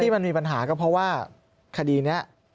มันมีปัญหาก็เพราะว่าคดีนี้